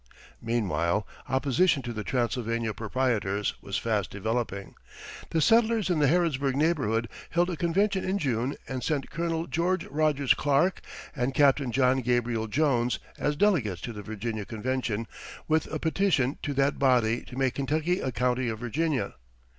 Meanwhile, opposition to the Transylvania proprietors was fast developing. The settlers in the Harrodsburg neighborhood held a convention in June and sent Colonel George Rogers Clark and Captain John Gabriel Jones as delegates to the Virginia Convention with a petition to that body to make Kentucky a county of Virginia.